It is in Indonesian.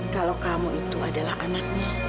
kalau kamu itu adalah anaknya